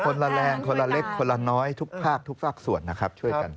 คนละแรงคนละเล็กคนละน้อยทุกภาคทุกภาคส่วนนะครับช่วยกัน